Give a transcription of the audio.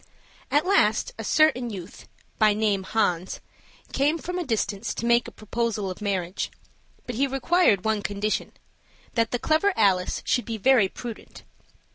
At last a certain youth, by name Hans, came from a distance to make a proposal of marriage; but he required one condition, that the clever Alice should be very prudent.